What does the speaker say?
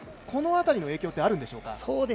この辺りの影響はあるんでしょうか。